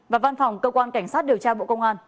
và văn phòng cơ quan cảnh sát điều tra bộ công an